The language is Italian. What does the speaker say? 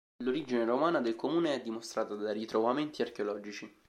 L'origine romana del comune è dimostrata da ritrovamenti archeologici.